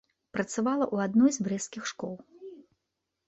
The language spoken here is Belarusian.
Працавала ў адной з брэсцкіх школ.